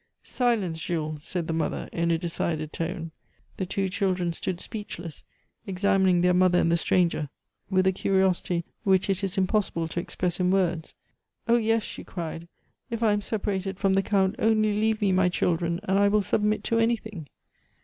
"Silence, Jules!" said the mother in a decided tone. The two children stood speechless, examining their mother and the stranger with a curiosity which it is impossible to express in words. "Oh yes!" she cried. "If I am separated from the Count, only leave me my children, and I will submit to anything..."